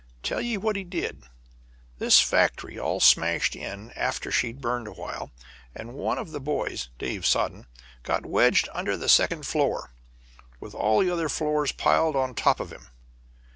Tell ye what he did. This factory all smashed in after she'd burned a while, and one of the boys Dave Soden got wedged under the second floor, with all the other floors piled on top of him.